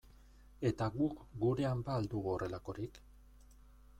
Eta guk gurean ba al dugu horrelakorik?